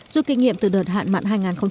dù kinh nghiệm từ đợt hạn mặn